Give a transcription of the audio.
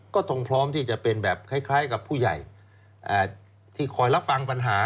ก็ต้องพร้อมที่จะเป็นแบบคล้ายกับผู้ใหญ่ที่คอยรับฟังปัญหา